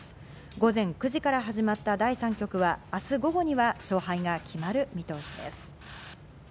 午前９時から始まった第３局は、明日午後には勝敗が決まる見通しです。